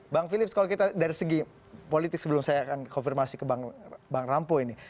bang philips kalau kita dari segi politik sebelum saya akan konfirmasi ke bang rampo ini